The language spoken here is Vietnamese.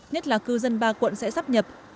nhất là cư dân ba quận sẽ sắp nhập